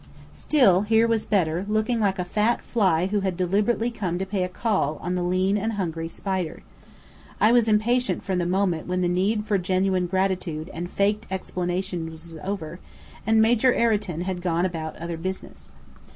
Still, here was Bedr, looking like a fat fly who had deliberately come to pay a call on the lean and hungry spider. I was impatient for the moment when the need for genuine gratitude and "faked" explanations was over, and Major Ireton had gone about other business.